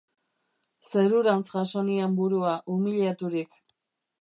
Zerurantz jaso nian burua, umiliaturik.